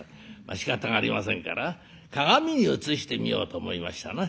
しかたがありませんから鏡に映してみようと思いましたな。